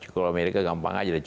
kalau amerika gampang aja